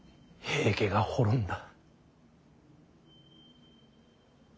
平家が滅んだ！